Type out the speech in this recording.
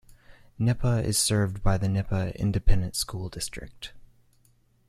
Knippa is served by the Knippa Independent School District.